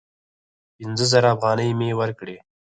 پینځه زره افغانۍ مي ورکړې !